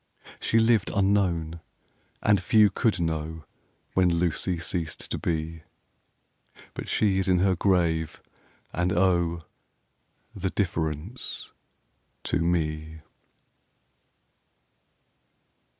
She lived unknown, and few could know When Lucy ceased to be; 10 But she is in her grave, and, oh, The difference to me!